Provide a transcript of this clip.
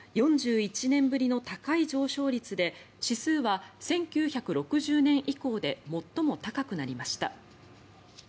４１年ぶりの高い上昇率で指数は１９６０年以降で最も高くなりました。